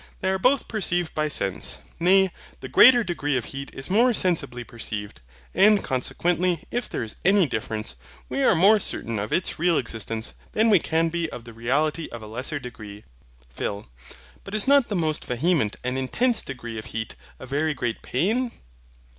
They are both perceived by sense; nay, the greater degree of heat is more sensibly perceived; and consequently, if there is any difference, we are more certain of its real existence than we can be of the reality of a lesser degree. PHIL. But is not the most vehement and intense degree of heat a very great pain?